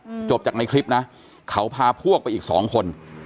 จบจากในคลิปนะเขาพาพวกไปอีกสองคน